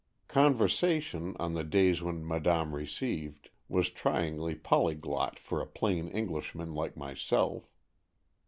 Conversation, on the days when Madame received, was tryingly polyglot for a plain Englishman like myself.